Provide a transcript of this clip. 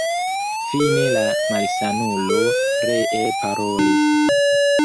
Fine la malsanulo ree parolis: